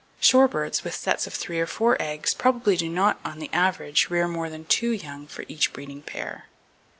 Shorebirds, with sets of three or four eggs, probably do not on the average rear more than two young for each breeding pair.